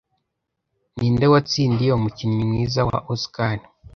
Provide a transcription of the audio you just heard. Ninde watsindiye umukinnyi mwiza wa Oscar